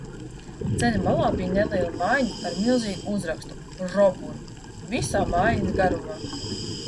"Ceļa malā bija neliela mājiņa ar milzīgu uzrakstu "Robur", visā mājiņas garumā."